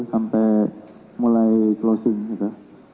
sampai mulai closing gitu